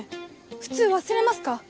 普通忘れますか？